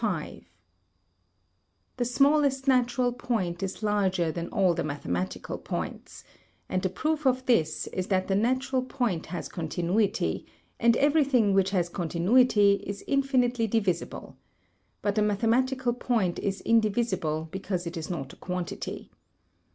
The smallest natural point is larger than all mathematical points, and the proof of this is that the natural point has continuity, and everything which has continuity is infinitely divisible; but the mathematical point is indivisible because it is not a quantity.